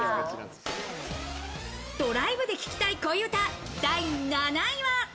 ドライブで聞きたい恋うた第７位は。